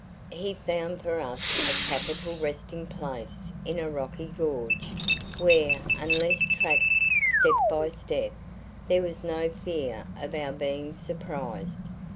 He found for us a capital resting place in a rocky gorge, where, unless tracked step by step, there was no fear of our being surprised.